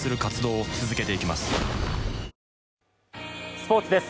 スポーツです。